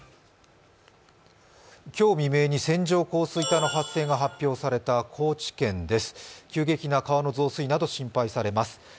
今日未明に線状降水帯の発生が報告された高知県です、急激な川の増水など心配されます。